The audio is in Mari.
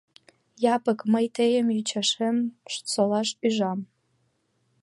Япык, мый тыйым ӱчашен солаш ӱжам.